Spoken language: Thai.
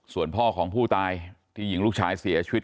ส่วนพ่อของผู้ตายที่ยิงลูกชายเสียชีวิต